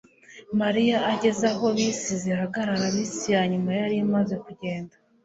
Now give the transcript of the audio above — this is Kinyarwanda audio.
mariya ageze aho bisi zihagarara, bisi ya nyuma yari imaze kugenda